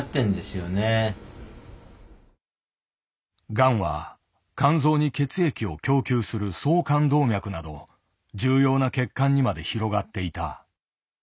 がんは肝臓に血液を供給する総肝動脈など重要な血管にまで広がっていた。